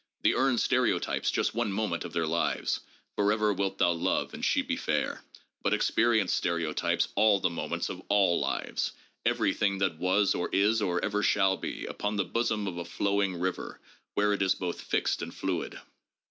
The urn stereotypes just one moment of their lives. '' Forever wilt thou love and she be fair. '' But Experi ence stereotypes all the moments of all lives, everything that was or is or ever shall be, upon the bosom of a flowing river, where it is both fixed and fluid.